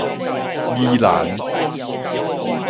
宜蘭